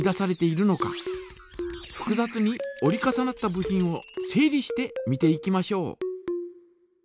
ふくざつに折り重なった部品を整理して見ていきましょう。